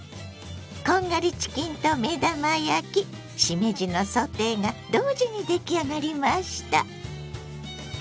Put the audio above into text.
こんがりチキンと目玉焼きしめじのソテーが同時に出来上がりました。